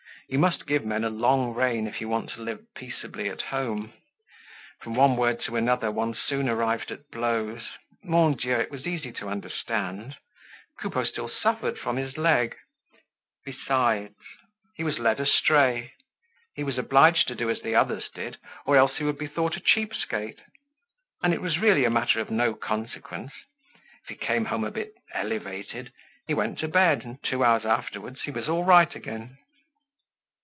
You must give men a long rein if you want to live peaceably at home. From one word to another, one soon arrived at blows. Mon Dieu! It was easy to understand. Coupeau still suffered from his leg; besides, he was led astray. He was obliged to do as the others did, or else he would be thought a cheap skate. And it was really a matter of no consequence. If he came home a bit elevated, he went to bed, and two hours afterwards he was all right again.